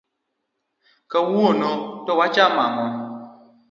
Kawuono to wachamo ng'o.